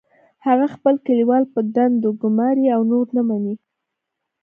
هغه خپل کلیوال په دندو ګماري او نور نه مني